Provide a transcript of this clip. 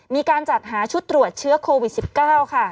มีการจัดหาชุดตรวจเชื้อโควิด๑๙ค่ะ